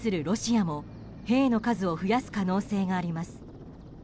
ロシアも兵の数を増やす可能性があります。